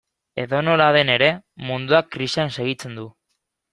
Edonola den ere, munduak krisian segitzen du.